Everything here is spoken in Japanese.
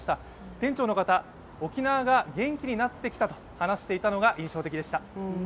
店長の方、沖縄が元気になってきたと話していたのが印象的でした。